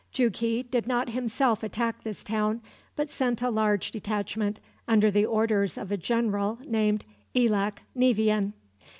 Jughi did not himself attack this town, but sent a large detachment under the orders of a general named Elak Nevian.